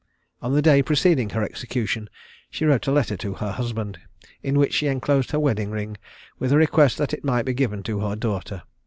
On the day preceding her execution, she wrote a letter to her husband, in which she enclosed her wedding ring, with a request that it might be given to her daughter.